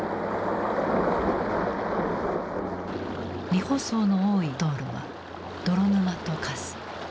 未舗装の多い道路は泥沼と化す。